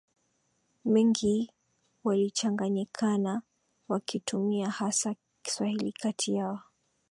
mengi walichanganyikana wakitumia hasa Kiswahili kati yao